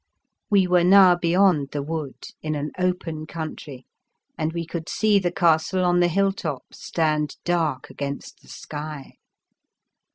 We were now beyond the wood in an open country, and we could see the castle on the hill top stand dark against the sky.